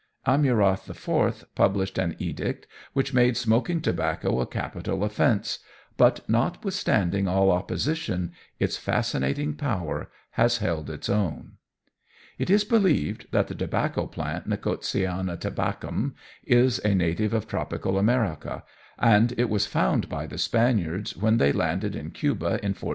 Amurath IV published an edict which made smoking tobacco a capital offence; but, notwithstanding all opposition, its fascinating power has held its own. It is believed that the tobacco plant Nicotiana Tabacum is a native of tropical America, and it was found by the Spaniards when they landed in Cuba in 1492.